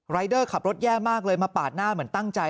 เดอร์ขับรถแย่มากเลยมาปาดหน้าเหมือนตั้งใจ